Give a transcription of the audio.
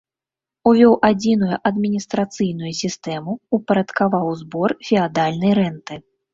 Увёў адзіную адміністрацыйную сістэму, упарадкаваў збор феадальнай рэнты.